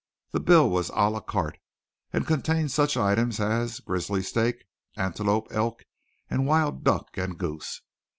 The bill was a la carte and contained such items as grizzly steak, antelope, elk, and wild duck and goose.